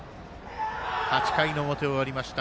８回の表終わりました。